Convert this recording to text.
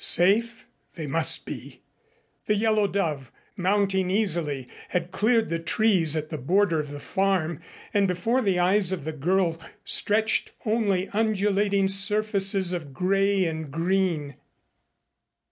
Safe? They must be. The Yellow Dove, mounting easily, had cleared the trees at the border of the farm and before the eyes of the girl stretched only undulating surfaces of gray and green.